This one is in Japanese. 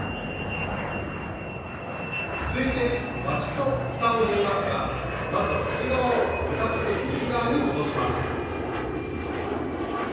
続いてわきとふたを縫いますがまずは口側を向かって右側に戻します。